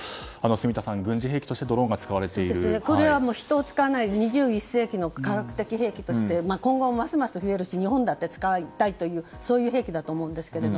住田さん、軍事兵器としてこれは人を使わない２１世紀の科学的兵器として今後もますます増えるし日本だって使いたいというそういう兵器だと思うんですけど。